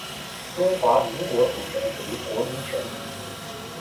中华民国主权属于国民全体